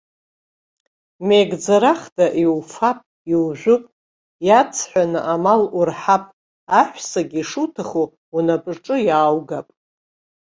Меигӡарахда иуфап, иужәып, иаҵҳәаны амал урҳап, аҳәсагьы ишуҭаху унапаҿы иааугап.